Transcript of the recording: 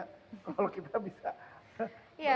kalau kita bisa